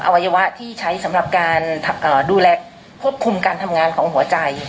วัยวะที่ใช้สำหรับการดูแลควบคุมการทำงานของหัวใจ